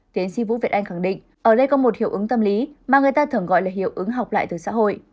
tiến sĩ vũ việt anh khẳng định ở đây có một hiệu ứng tâm lý mà người ta thường gọi là hiệu ứng học lại từ xã hội